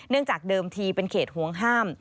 เนื่องจากเดิมทีเป็นเขตหวงห้าม